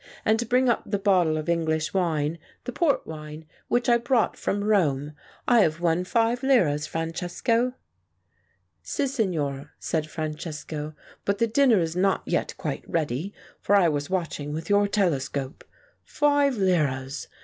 "And bring up the bottle of English wine, the port wine, which I brought from Rome, I have won five liras, Francesco." "Sissignor," said Francesco. "But the dinner is not yet quite ready, for I was watching with your telescope. Five liras